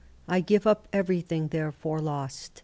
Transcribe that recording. I give up everything there for lost.